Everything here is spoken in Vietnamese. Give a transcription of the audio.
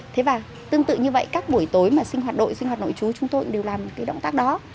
thế và tương tự như vậy các buổi tối mà sinh hoạt đội sinh hoạt nội chú chúng tôi đều làm cái động tác đó